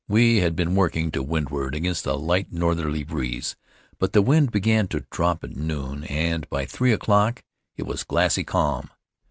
'We had been working to windward against a light, northerly breeze, but the wind began to drop at noon, and by three o'clock it was glassy calm.